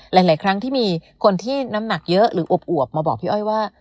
หลายครั้งที่มีคนที่น้ำหนักเยอะหรืออวบมาบอกพี่อ้อยว่า